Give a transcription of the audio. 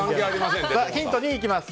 ヒント２いきます。